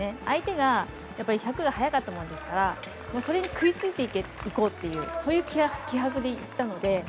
相手が１００が速かったもんですからそれに食いついていこうというそういう気迫でいったので。